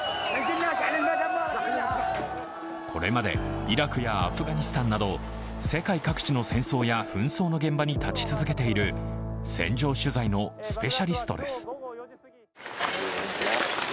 これまでイラクやアフガニスタンなど世界各地の戦争や紛争の現場に立ち続けている戦場取材のスペシャリストです。